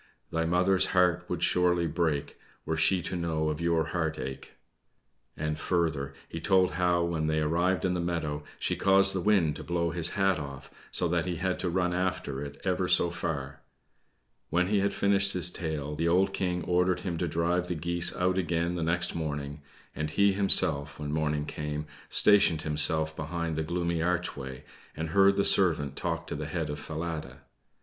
Thy mother's heart would surely break Were she to know of your heart ache!" And, further, he told how when they arrived in the meadow, she caused the wind to blow his hat off, so that he had to run after it ever so far. When he had finished his tale, the old King ordered him to drive the geese out again the next morning; and he himself, when morning came, stationed himself behind the gloomy archway, and heard the servant talk to the head of Falada.